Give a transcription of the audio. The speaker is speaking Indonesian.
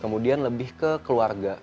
kemudian lebih ke keluarga